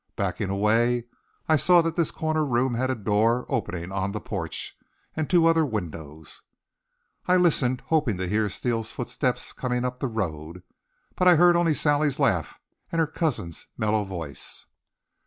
Backing away I saw that this corner room had a door opening on the porch and two other windows. I listened, hoping to hear Steele's footsteps coming up the road. But I heard only Sally's laugh and her cousin's mellow voice.